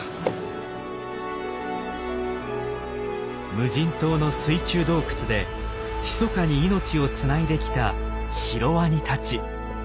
無人島の水中洞窟でひそかに命をつないできたシロワニたち。